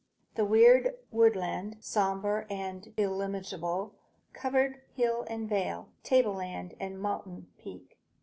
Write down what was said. The weird woodland, sombre and illimitable, covered hill and vale, tableland and mountain peak.